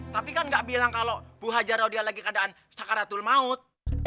tapi kan gak bilang kalau bu hajaroh dia lagi keadaan sakaratul maut